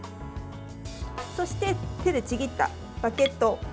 そして、手でちぎったバゲット。